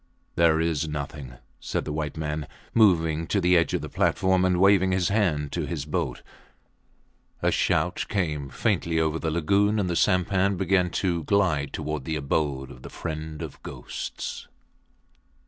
There is nothing, said the white man, moving to the edge of the platform and waving his hand to his boat. A shout came faintly over the lagoon and the sampan began to glide towards the abode of the friend of ghosts.